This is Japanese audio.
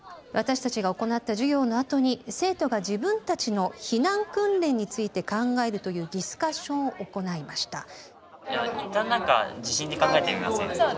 私たちが行った授業のあとに生徒が自分たちの避難訓練について考えるというディスカッションを行いました。